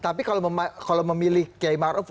tapi kalau memilih kiai maruf